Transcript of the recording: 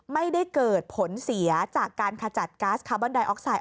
ไม่ได้เกิดผลเสียจากการขจัดก๊าซคาร์บอนไดออกไซด